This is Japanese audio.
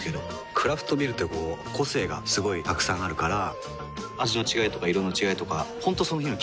クラフトビールってこう個性がすごいたくさんあるから味の違いとか色の違いとか本当その日の気分。